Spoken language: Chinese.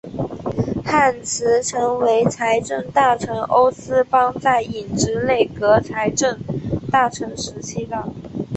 汉兹曾为财政大臣欧思邦在影子内阁财政大臣时期的。